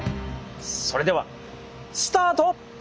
それではスタート！